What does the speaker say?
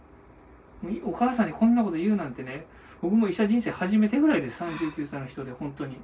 お母さんにこんなこと言うなんてね、僕も医者人生初めてぐらいです、３９歳の人で本当に。